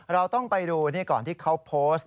เราต้องไปดูนี่ก่อนที่เขาโพสต์